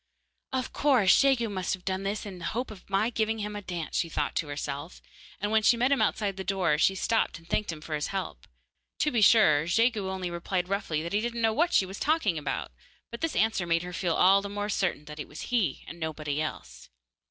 'Of course, Jegu must have done this in the hope of my giving him a dance,' she thought to herself, and when she met him outside the door she stopped and thanked him for his help. To be sure, Jegu only replied roughly that he didn't know what she was talking about, but this answer made her feel all the more certain that it was he and nobody else.